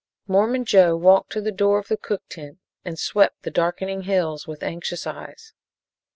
Mormon Joe walked to the door of the cook tent and swept the darkening hills with anxious eyes.